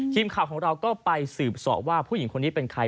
ทีมข่าวของเราก็ไปสืบสอบว่าผู้หญิงคนนี้เป็นใคร